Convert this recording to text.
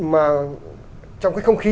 mà trong cái không khí